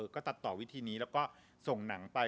ก็ตัดต่อวิธีนี้แล้วก็ส่งหนังไป